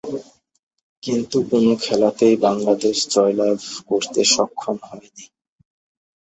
কিন্তু কোন খেলাতেই বাংলাদেশ জয়লাভ করতে সক্ষম হয়নি।